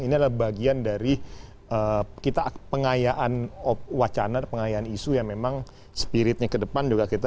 ini adalah bagian dari kita pengayaan wacana pengayaan isu yang memang spiritnya ke depan juga kita